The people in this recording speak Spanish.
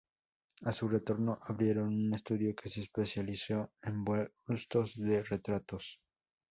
A su retorno, abrieron un estudio que se especializó en bustos de retratos.